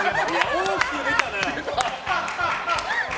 大きく出たね。